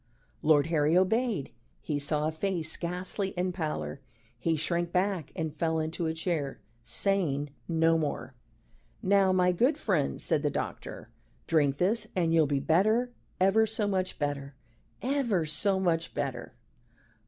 Lord Harry obeyed. He saw a face ghastly in pallor: he shrank back and fell into a chair, saying no more. "Now, my good friend," said the doctor, "drink this and you'll be better ever so much better, ever so much better.